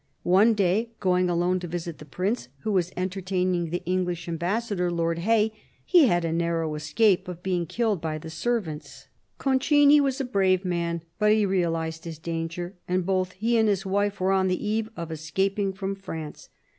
One day, going alone to visit the Prince, who was entertaining the English ambassador, Lord Hay, he had a narrow escape of being killed by the servants. Concini was a brave man, but he realised his danger, and both he and his wife were on the eve of escaping from France.